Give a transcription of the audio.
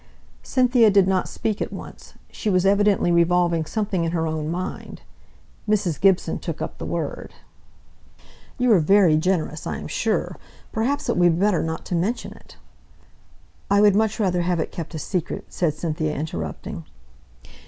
Cynthia did not speak at once; she was evidently revolving something in her own mind. Mrs. Gibson took up the word. "You are very generous, I am sure. Perhaps it will be better not to mention it." "I would much rather have it kept a secret," said Cynthia, interrupting.